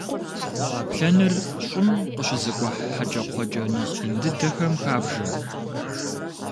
Къаплъэныр щӏым къыщызыкӏухь хьэкӏэкхъуэкӏэ нэхъ ин дыдэхэм хабжэ.